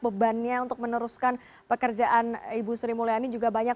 bebannya untuk meneruskan pekerjaan ibu sri mulyani juga banyak